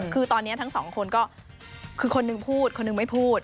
คือตอนนี้ทั้งสองคนก็คือคนนึงพูดคนหนึ่งไม่พูด